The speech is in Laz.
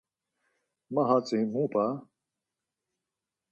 Ma hatzi mu p̌a!